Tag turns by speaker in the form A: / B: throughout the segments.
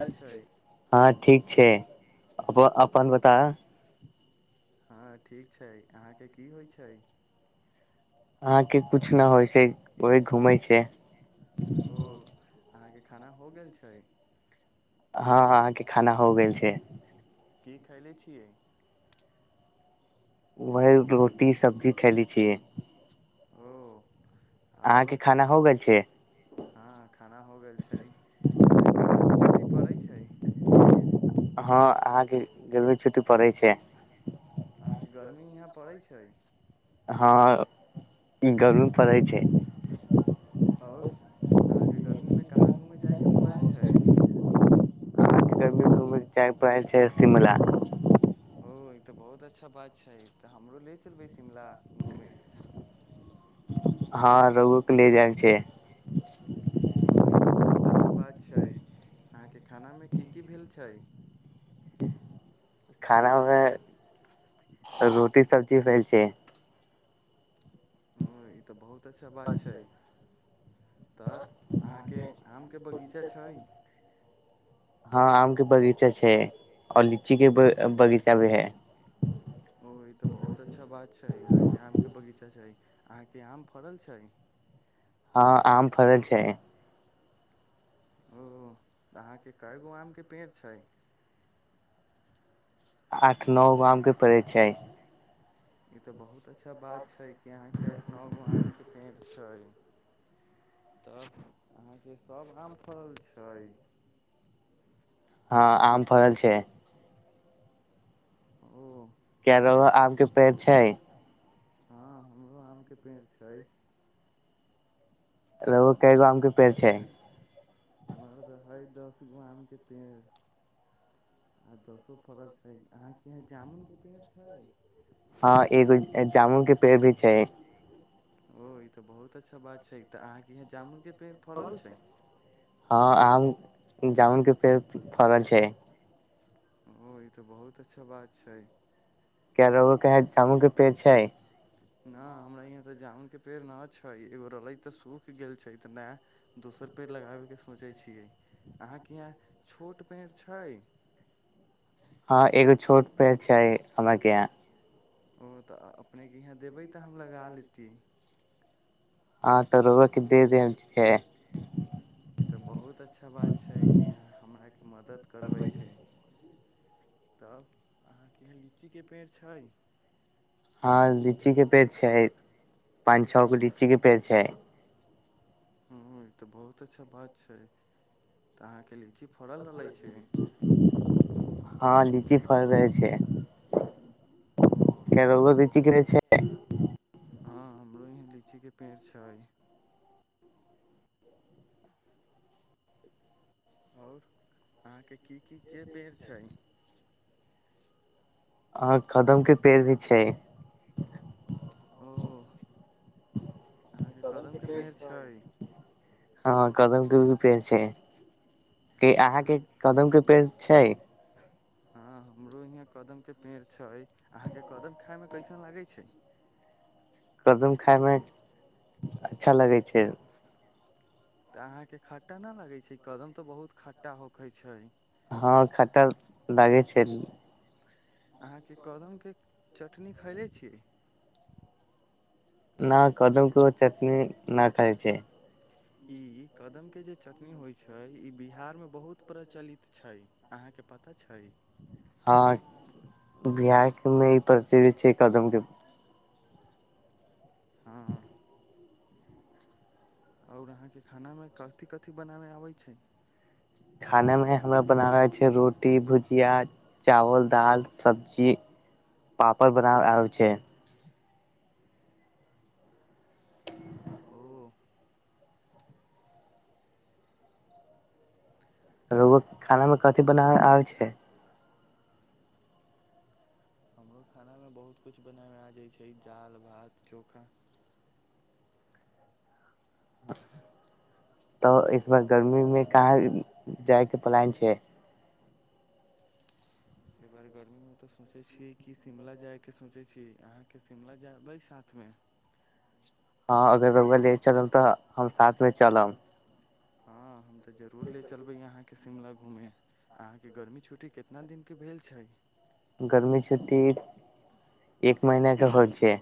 A: गेल छै
B: हँ, ठीक छै अपन बता
A: हँ, ठीक छै, अहाँकेँ की होइत छै
B: अहाँकेँ कुछ न होइ छै व घूमे छै
A: ओ अहाँकेँ खाना हो गेल छै
B: हँ अहाँकेँ खाना हो गेल छै
A: कि खैले छियै।
B: वहा रोटी सब्जी खैली छियै
A: ओ आर हँ,
B: अहाँके खाना हो गेल छै
A: खाना हो गेल छै अहाँकेँ गर्मी छुट्टी पड़ैत छै
B: हँ अहाँकेँ गरबी छुट्टी पड़ै छै
A: अहाँकेँ गर्मी यहाँ पड़ैत छै
B: हँ, इधर भी पड़ै छै
A: आओर अहाँकेँ गर्मीमे कहाँ घूमय जायके प्लान छै
B: मिरचाई पड़ै छै शिमला
A: ओ ई त बहुत अच्छा बात छै, तऽ हमरो ले चलबै शिमला घूमे
B: हँ रगो के ले जाब छै
A: ओ ई तऽ बहुत अच्छा बात छै अहाँकेँ खानामे कि की भेल छै।
B: खानामे रोटी सब्जी भेल छै।
A: ई तऽ बहुत अच्छा बात छै। तर अहाँकेँ आमके बगीचा छै
B: हँ आमके बगीचा छै आओर लीचीके बगीचा भी है।
A: ओ ई तऽ बहुत अच्छा बात छै, अहाँकेँ आम के बगीचा छै अहाँकेँ आम फड़ल छै
B: हँ, आम फड़ल छै।
A: ओ तऽ अहाँकेँ कए गो आमके पेड़ छै।
B: आठ नओ आम के पड़ैत छै।
A: इ ते बहुत अच्छा बात छै, कि अहाँकेँ एठ न गो आम के पेड़ छै तब अहाँकेँ सभ आम फड़ल छै
B: हँ, आम फड़ल छै।
A: ओ।
B: रौआ आमके पेड़ छै।
A: हँ, हमरो आमके पेड़ छै।
B: रौआ के गो आम के पेड़ छै
A: हमर तऽ हइ दस गो आम के पेड़ आ दसो फड़ल छै, अहाँकेँ यह जामुनक के पेड़ छै
B: हँ, एगो जामुनके पेड़ भी छै।
A: ओ ई तऽ बहुत अच्छा बात छै, तऽ अहाँकेँ यहाँ जामुन के
B: हँ, आम जामुन के पेड़ फड़ल छै।
A: ओ ई तऽ बहुत अच्छा बात छै।
B: रौआ केगो के है जामुन के पेड़ है
A: नहि हमरा यहाँ तऽ जामुन के पेड़ न छै, एगो रहलै तऽ सूख गेल छै, तऽ नहि दोसर पेड़ लगाबै के सोचैत छियै अहाँकेँ यहाँ छोट पेड़ छै।
B: हँ, एगो छोट पेड़ छै हमरा के यहा
A: ओ तऽ अपने के यहाँ देबै तऽ हम लगा लैतियै
B: हँ तऽ रौआ किदे दे छै
A: ई तऽ बहुत अच्छा बात छै, कि यहाँ हमरा के मदद करबै छै। तब अहाँकेँ लीची के पेड़ छै
B: हँ, लीची के पेड़ छै, पाँंच छओ गो लीची के पेड़ छै।
A: हूँ ई तऽ बहुत अच्छा बात छै, तऽ अहाँकेँ लीची फड़ल रहलै छै
B: हँ, लीची फल रह छै।
A: हू।
B: क्या रउआ लीची के पेड़ छै
A: हँ, हमरो यहाँ लीचीके पेड़ छै। आओर अहाँकेँ कि कि के पेड़ छै
B: आह कदम के पेड़ भी छै
A: अहाँकेँ कदम के पेड़ छै
B: हँ कदम क पेड़ छै अहाँकेँ कदमके पेड़ छै।
A: हँ हमरो यहाँ कदम के पेड़ छै, अहाँकेँ कदम खाय मे कैसन लागै छै।
B: कदम खायमे अच्छा लगै छै।
A: तऽ अहाँकेँ खट्टा नहि लगैत छै कदम तऽ बहुत खट्टा होकैत छै।
B: हँ, खटा लागै छै।
A: अहाँकेँ कदमके चटनी खैले छिय।
B: न कदम कऽ चटनी न खइ छै
A: ई कदम के जे चटनी होइ छै, ई बिहार मे बहुत प्रचलित छै। अहाँकेँ पता छै।
B: हँ, बिहार मे ई प्रचलद्ध छै कदम के
A: हँ। आओर अहाँकेँ खानामे कथि कथि बनाबै अबैत छै
B: खाना मे हमरा बनाबै छै, रोटी भुजिया। चावल दाल सब्जी पापड़ बनाब आबे छै।
A: ओ।
B: रौआ खाना मे कथि बनाबे आबै छै।
A: हमरो खानामे बहुत किछु बनाब मे आबे छै दाल भात चोखा।
B: तऽ एक बार गर्मीमे कहाँ जायके प्लन छै।
A: [inaudible] एहि बार गर्मीमे तऽ सोचै छिये कि शिमला जायके सोचै छी अहाँकेँ शिमला जयबै साथमे
B: हँ, अगर रौआ ले चलब तऽ हम साथ मे चलब
A: हँ, तऽ जरूर ले चलबै अहाँकेँ शिमला घूमे अहाँकेँ गर्मी छुट्टी कितना दिनक के भेल छै
B: गर्मी छुट्टी एक महीना के होइ छै।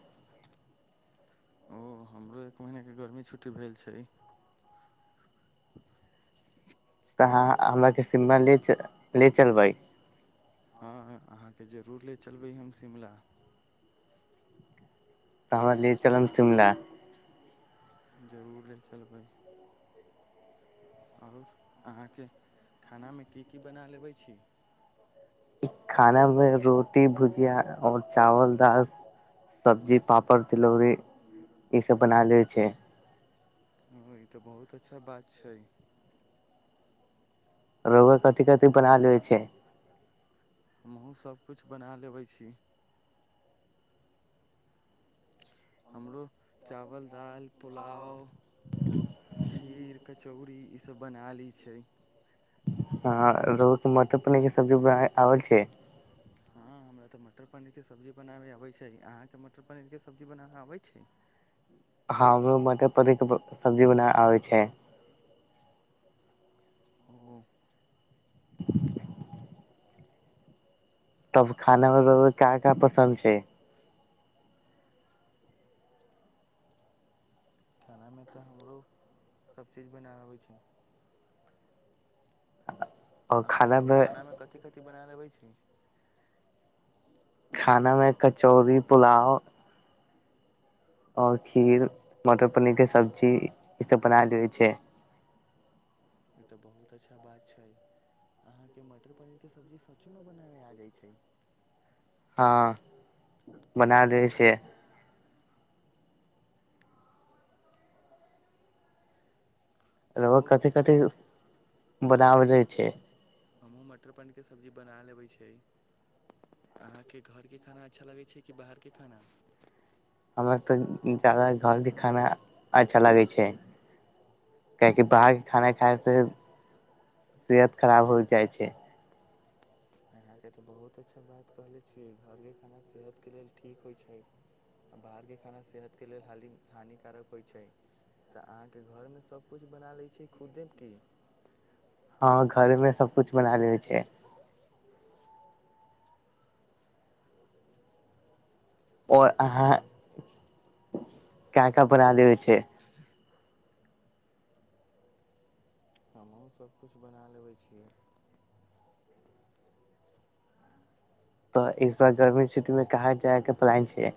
A: ओ हमरो एक महिना गर्मी छुट्टी भेल छै।
B: तऽ अहाँ हमरा के शिमला ले ले चलबै
A: हँ अहाँकेँ जरूर ले चलबै हम शिमला
B: तऽ हमरा ले चलब शिमला
A: जरूर लै चलबै। आर अहाँकेँ खानामे कि कि बना लेबै छी
B: खाना मे रोटी भुजिया आर चावल दाल। सब्जी पापड़ तिलौरी ई सभ बना लै छै।
A: हई तऽ बहुत अच्छा बात छै।
B: रौआ कथि कथि बनाले छै।
A: हमहूँ सभकिछु बना लेबै छी। हमरो चावल दली पुलव खीर कचौड़ी ई सभ बना लै छै।
B: हँ रौआ मटर पनीर के सब्जी बना आल छै
A: [inaudible] हँ हमरा तऽ मटर पनीर के सब्जी बनाबे अबै छै, अहाँकेँ मटर पनीरके सब्जी बनाबे अबैत छै
B: हँ मटर पनिर के सब्जी बना आबै छै।
A: ह
B: तब खानामे रौआ क्या क्या पसन्द छै।
A: खानामे तऽ हमरो सभ चीज बनाब अबै छै अहाँकेँ आओर खाना मे कथि कथि बनायल अबै छै।
B: खाना मे कचौड़ी पुलाव। और खीर मटर पनीर के सब्जी ई सभ बनायले छै।
A: ई तऽ बहुत अच्छा बात छै। अहाँकेँ मटर पनीर के सब्जी सचोमे बनाबै आब जाइत छै।
B: हँ, बना दे छै। रौआ
A: आओर
B: कथि कथि बदव दै छै।
A: हमहूँ मटर पनीर के सब्जी बना लेबै छी अहाँकेँ घरके खाना अच्छा लगै छै, कि बाहर के खाना
B: हमरा तऽ जादा घर के खाना अच्छा लागे छै। कियाकि बाहरके खाना खाय से तबियत खराब हो जाइ छै।
A: अहाँकेँ तऽ बहुत अच्छा बात कहले छियै घरके खाना सेहतके लेल ठीक होइ छै। आ बाहरके खाना सेहत के लेल हानिकार कऽ होइत छै तऽ अहाँके घरमे सभ कुछ बना लैत छिये खुदे की
B: हँ घर मे सब कुछ बना ले छै और अहाँ का का बना देबे छै
A: हमहुँ सबकिछु बना लेबै छियै
B: तऽ इ गर्मी छुट्टी मऽ कहाँ जायके प्लान छिय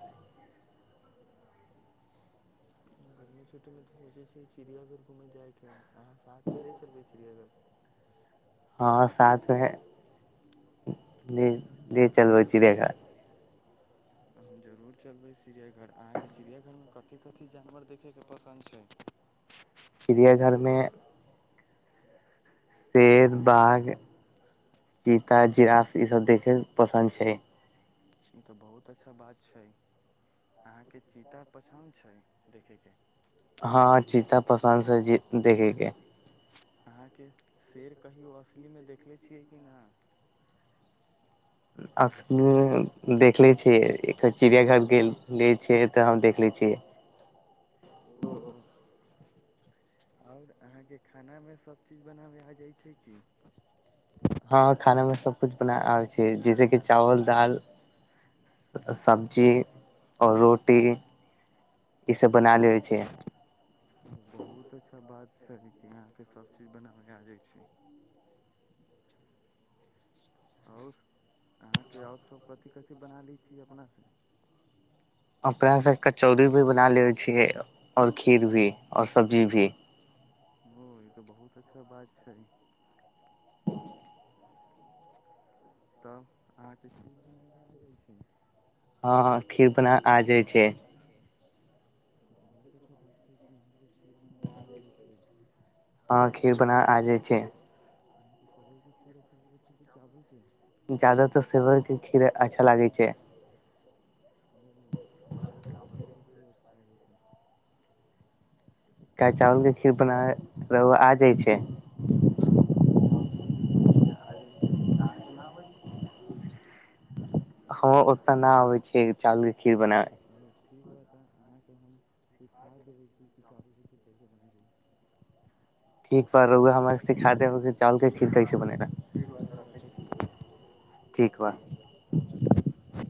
A: गर्मी छुटीमे तऽ सोचै छिय चिड़ियाघर घुमै जाइके ह अहाँ साथमे ले चलबै चिड़ियाघर
B: हँ साथमे ले चलबै चिड़ियाघर
A: हम जरूर चलबै चिड़ियाघर अहाँके चिड़ियाघरमे कथी कथी जानवर देखैके पसन्द छै
B: चिड़िया घरमे शेर बाघ चीता जिराफ ई सब देखै कऽ पसन्द छै
A: ई तऽ बहुत अच्छा बात छै अहाँके चीता पसन्द छै देखैके
B: हँ चीता पसन्द छै देखेके
A: अहाँके शेर कहियौ असलीमे देखले छियै कि नहि
B: असली मऽ देखले छियै चिड़िया घर गेले छिय तऽ हम देखले छियै
A: हू आओर अहाँके खानामे सभ चीज बनाबै आ जाइ छै की
B: हँ खाना मे सब कुछ बना आबै छै जैसे की चावल दाल सब्जी ओर रोटी ई सब बना लेइ छी
A: बहुत अच्छा बात छै कि अहाँके सब चीज बनाबै आ जाइ छै आओर अहाँके आओर सभ कथी कथी बना लै छी अपनासँ
B: अपनासँ कचौड़ी भी बना ले छियै आओर खीर भी ओर सब्जी भी
A: ओ ई तऽ बहुत अच्छा बात छै
B: [inaudible]
A: तब आहाँ क खीर बनाबे आ जाइ छै
B: हँ हँ खिर बना
A: खीर बनाबल आय जाय छेंय बहुत अच्छा बात छै यहाँके
B: हँ खीर बना आ जाय छै
A: अहाँके सेबई क खीर अच्छा लगै छै कि चावल कऽ
B: ज्यदातर सेवई के खीर अच्छा लागे छै
A: हू हमरा तऽ चावलके खीर अच्छा लागै छै
B: [unintelligible] चावलके खीर बनावल रोआ आ जाइ छै
A: हँ हमर तऽ चावलके खीर बना आ जाइत छै अहाँके ना आबै छै की
B: ह ओते न आबे छै चावल कऽ खीर बनावल
A: चलू ठीक बताऽ अहाँके हम सिखा देबै छी कि चावलके कैसे बनै छै
B: ठीक से रुआ हमरा सिखा देेब की चावल के खीर
A: ठीक
B: कैसे
A: बा
B: बनेनाय
A: ठीक बा तऽ रखै छी
B: ठीक बा